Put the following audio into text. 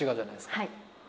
はい。